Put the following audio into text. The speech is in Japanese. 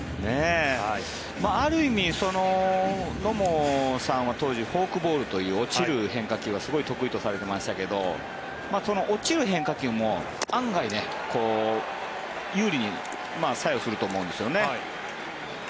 ある意味、野茂さんは当時フォークボールという落ちる変化球がすごい得意とされてましたけどその落ちる変化球も案外、有利に作用すると思うんです。